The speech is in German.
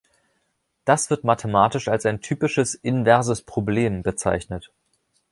Das wird mathematisch als ein typisches „inverses Problem“ bezeichnet.